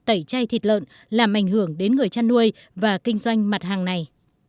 tẩy chay thịt lợn làm ảnh hưởng đến người chăn nuôi và kinh doanh mặt hàng này